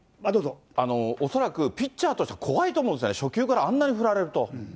恐らくピッチャーとしては怖いと思うんですよね、初球からあんなに振られると。